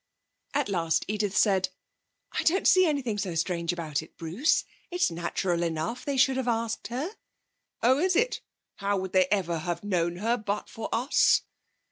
At last Edith said: 'I don't see anything so strange about it, Bruce. It's natural enough they should have asked her.' 'Oh, is it? How would they ever have known her but for us?'